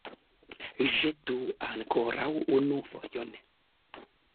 Ĵetu ankoraŭ unu fojon!